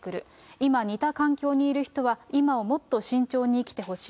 今似た環境にいる人は、今をもっと慎重に生きてほしい。